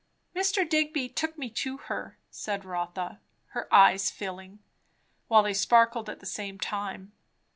"Mr. Digby took me to her," said Rotha, her eyes filling, while they sparkled at the same time.